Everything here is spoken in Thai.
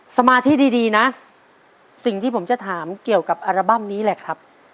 สมาธิดีดีนะสิ่งที่ผมจะถามเกี่ยวกับอัลบั้มนี้แหละครับ